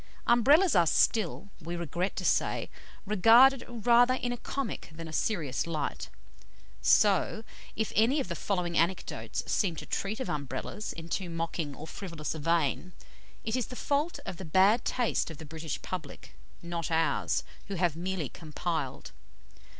Umbrellas are still, we regret to say, regarded rather in a comic than a serious light; so, if any of the following anecdotes seem to treat of Umbrellas in too mocking or frivolous a vein, it is the fault of the bad taste of the British public, not ours, who have merely compiled.